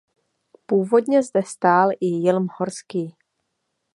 Původně zde stál i jilm horský.